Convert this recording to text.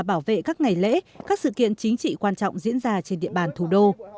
bảo vệ các ngày lễ các sự kiện chính trị quan trọng diễn ra trên địa bàn thủ đô